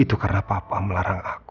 itu karena papa melarang aku